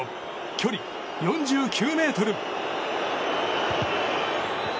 距離４９ｍ。